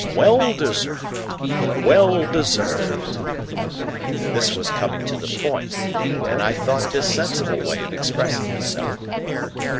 Well deserved, well deserved!" This was coming to the point, and I thought it a sensible way of expressing himself.